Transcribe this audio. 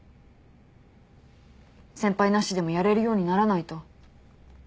先輩なしでもやれるようにならないと。